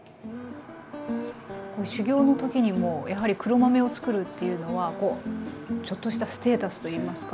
こう修業の時にもやはり黒豆をつくるというのはこうちょっとしたステータスといいますか。